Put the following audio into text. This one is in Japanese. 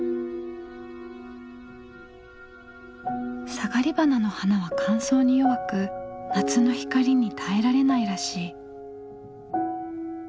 サガリバナの花は乾燥に弱く夏の光に耐えられないらしい。